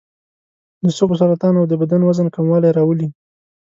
د سږو سرطان او د بدن وزن کموالی راولي.